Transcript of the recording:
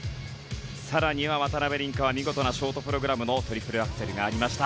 更には渡辺倫果は見事なショートプログラムのトリプルアクセルがありました。